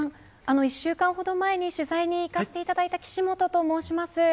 １週間ほど前に取材に行かせていただいた岸本と申します。